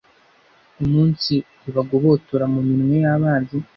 umunsi ibagobotora mu minwe y'abanzi